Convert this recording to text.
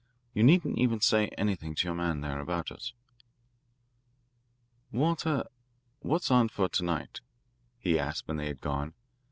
You needn't even say anything to your man there about us." "Walter, what's on for to night?"he asked when they had gone.